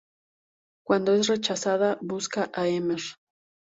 Cuando es rechazada busca a Mr.